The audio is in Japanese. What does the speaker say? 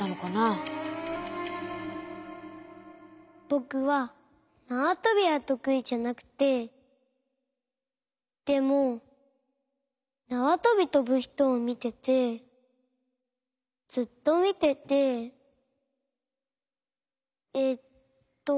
ぼくはなわとびはとくいじゃなくてでもなわとびとぶひとをみててずっとみててえっと。